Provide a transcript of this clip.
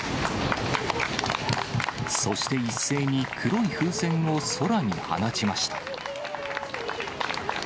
そして一斉に、黒い風船を空に放ちました。